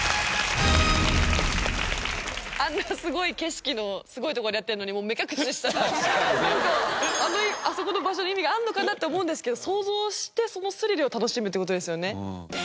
あんなすごい景色のすごいとこでやってるのに目隠ししたらなんかあそこの場所の意味があるのかなって思うんですけど想像してそのスリルを楽しむって事ですよね。